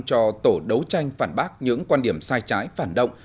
cho tổ đấu tranh phản bác những quan điểm sai trái phản động